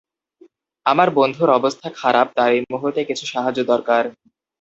আমার বন্ধুর অবস্থা খারাপ তার এই মুহূর্তে কিছু সাহায্য দরকার।